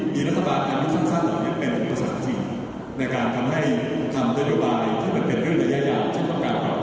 เพราะฉะนั้นที่มันเป็นจุดที่แผนวิทยาลัยศาสตร์